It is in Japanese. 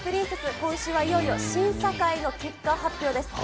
今週はいよいよ審査会の結果発表です。